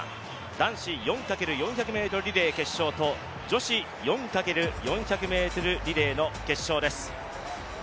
男子４×４００ｍリレー決勝と女子４×４００ｍリレーの決勝です。